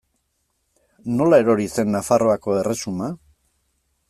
Nola erori zen Nafarroako erresuma?